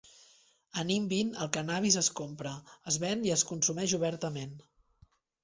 A Nimbin, el cànnabis es compra, es ven i es consumeix obertament.